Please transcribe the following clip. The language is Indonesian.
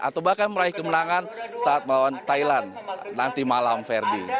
atau bahkan meraih kemenangan saat melawan thailand nanti malam ferdi